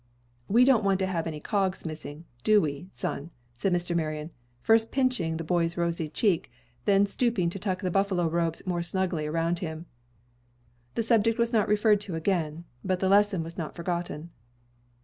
"We don't want to have any cogs missing, do we, son!" said Mr. Marion, first pinching the boy's rosy cheek, and then stooping to tuck the buffalo robes more snugly around him. The subject was not referred to again, but the lesson was not forgotten.